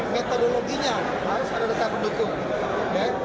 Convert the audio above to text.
metodologinya harus ada dasar pendukung